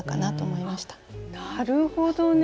なるほどね。